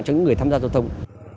cho những người tham gia giao thông